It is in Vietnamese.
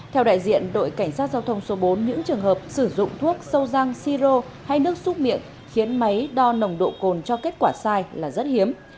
theo đại diện đội cảnh sát giao thông số bốn những trường hợp sử dụng thuốc sâu răng siro hay nước xúc miệng khiến máy đo nồng độ cồn cho kết quả sai là rất hiếm